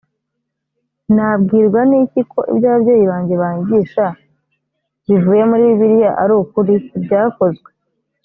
nabwirwa n iki ko ibyo ababyeyi banjye banyigisha bivuye muri bibiliya ari ukuri ibyakozwe